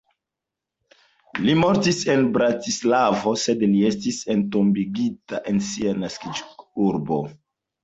Li mortis en Bratislavo, sed li estis entombigita en sia naskiĝurbo.